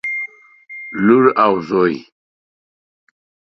لور او زوى